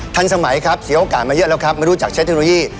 ทันสมัยครับเสียโอกาสมาเยอะแล้วครับไม่รู้จักใช้เทคโนโลยี